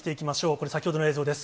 これ、先ほどの映像です。